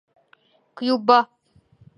Cuba